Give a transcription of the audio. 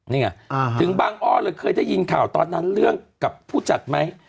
นี่ไงถึงบางอ้อเลยเคยได้ยินข่าวตอนนั้นเรื่องกับผู้จัดไหม